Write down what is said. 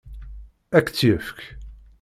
Ad k-tt-yefk?